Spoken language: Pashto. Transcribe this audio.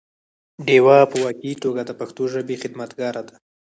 ډيوه په واقعي توګه د پښتو ژبې خدمتګاره ده